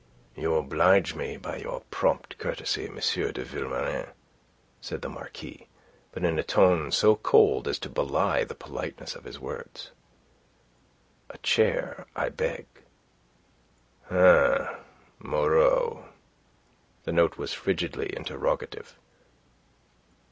"You oblige me by your prompt courtesy, M. de Vilmorin," said the Marquis, but in a tone so cold as to belie the politeness of his words. "A chair, I beg. Ah, Moreau?" The note was frigidly interrogative.